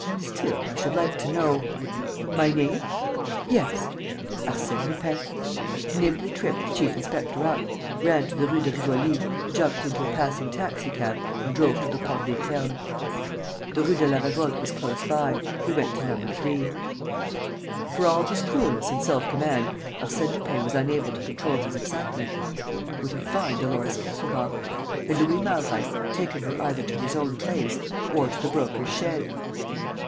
"Still, I should like to know. ..." "My name?" "Yes." "Arsène Lupin." He nimbly tripped the chief inspector up, ran to the Rue de Rivoli, jumped into a passing taxi cab and drove to the Porte des Ternes. The Route de la Revolte was close by. He went to No. 3. For all his coolness and self command, Arsène Lupin was unable to control his excitement. Would he find Dolores Kesselbach? Had Louis de Malreich taken her either to his own place or to the Broker's shed?